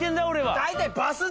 大体。